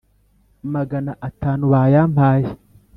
Magana atanu bayampaye